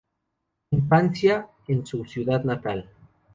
Infancia en su ciudad natal.